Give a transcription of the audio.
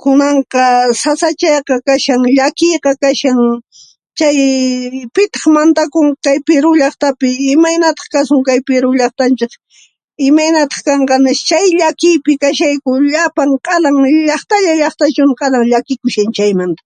kunanqa, sasachayqa kashan , llakiyqa kashan chay pitaq mantakunqa kay Pirú llaqtapi imaynaq kasun kay Pirú llaqtanchiq imaynataq kanqa nispa chay llakiypi kashayku llapan q'alan llaqtalla llaqtachuna llakikushan chaymanta.